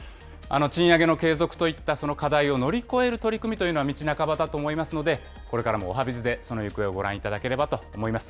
賃上げの継続といったその課題を乗り越える取り組みというのは道半ばだと思いますので、これからもおはＢｉｚでその行方をご覧いただければと思います。